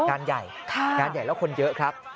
การใหญ่แล้วคนเยอะครับ